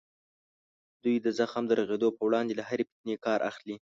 دوی د زخم د رغېدو په وړاندې له هرې فتنې کار اخلي.